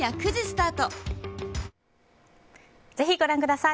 ぜひご覧ください。